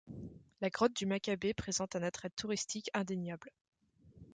La grotte du Macchabée présente un attrait touristique indéniable.